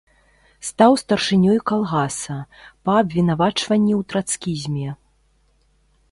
Стаў старшынёй калгаса, па абвінавачванні ў трацкізме.